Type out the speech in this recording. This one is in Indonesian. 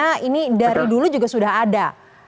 karena ini dari dulu juga sudah ada